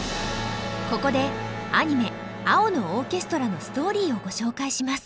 ここでアニメ「青のオーケストラ」のストーリーをご紹介します。